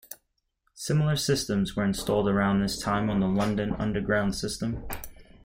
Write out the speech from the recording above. Similar systems were installed around this time on the London Underground system.